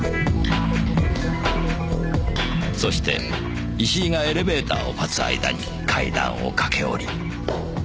そして石井がエレベーターを待つ間に階段を駆け下り。